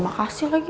gak ada makasih lagi